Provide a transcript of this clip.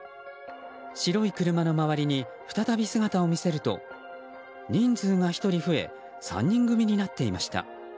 白い車の周りに再び姿を見せると人数が１人増え３人組になっていました。